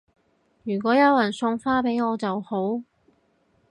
如果有人送花俾我就好